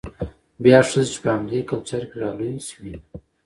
بيا ښځه چې په همدې کلچر کې رالوى شوې،